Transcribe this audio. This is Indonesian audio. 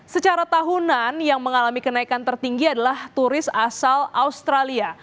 secara tahunan yang mengalami kenaikan tertinggi adalah turis asal australia